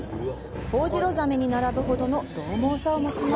ホオジロザメに並ぶほどのどう猛さを持ちます。